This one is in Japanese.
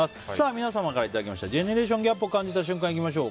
皆さんからいただいたジェネレーションギャップを感じた瞬間、いきましょう。